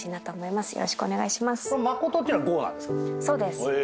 そうです。